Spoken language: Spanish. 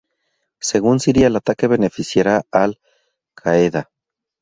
Según Siria el ataque beneficiaría a Al Qaeda.